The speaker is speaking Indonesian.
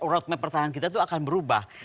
road map pertahanan kita itu akan berubah